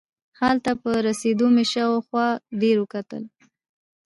هلته په رسېدو مې شاوخوا ډېر وکتل.